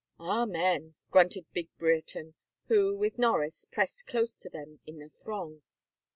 "Amen," grunted big Brereton, who, with Norris, pressed close to them in the throng.